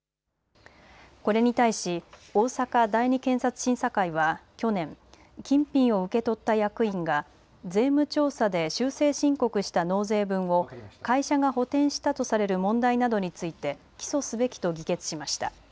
これに対し大阪第２検察審査会は去年、金品を受け取った役員が税務調査で修正申告した納税分を会社が補填したとされる問題などについて起訴すべきと議決しました。